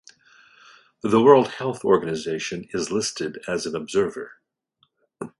The World Health Organization is listed as an observer.